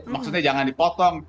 maksudnya jangan dipotong